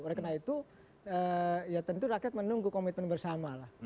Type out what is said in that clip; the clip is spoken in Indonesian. oleh karena itu ya tentu rakyat menunggu komitmen bersama lah